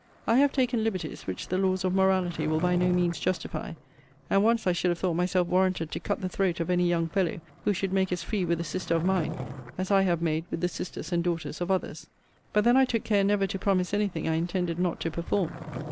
I have taken liberties, which the laws of morality will by no means justify; and once I should have thought myself warranted to cut the throat of any young fellow who should make as free with a sister of mine as I have made with the sisters and daughters of others. But then I took care never to promise any thing I intended not to perform.